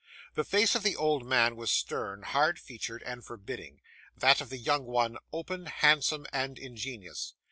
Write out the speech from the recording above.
The face of the old man was stern, hard featured, and forbidding; that of the young one, open, handsome, and ingenuous.